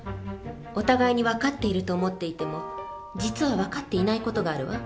お互いに分かっていると思っていても実は分かっていない事があるわ。